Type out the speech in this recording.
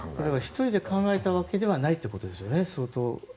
１人で考えたわけではないということですよね。